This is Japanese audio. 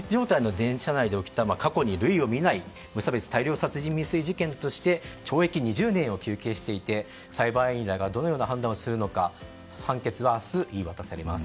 検察は、過去に類を見ない無差別大量事件として懲役２０年を求刑していて裁判員らがどのような判断をするのか判決は明日、言い渡されます。